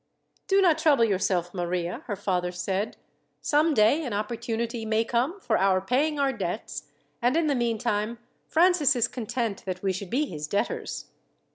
"Do not trouble yourself, Maria," her father said. "Some day an opportunity may come for our paying our debts, and in the meantime Francis is content that we should be his debtors."